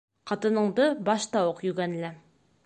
Ҡатыныңды башта уҡ йүгәнлә.